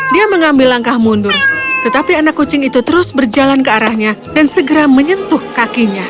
dia mengambil langkah mundur tetapi anak kucing itu terus berjalan ke arahnya dan segera menyentuh kakinya